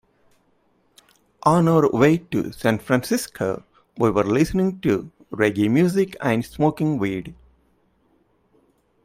On our way to San Francisco, we were listening to reggae music and smoking weed.